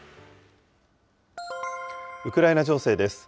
ウクライナ情勢です。